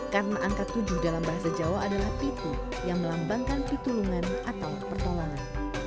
karena angka tujuh dalam bahasa jawa adalah pitu yang melambangkan pitulungan atau pertolongan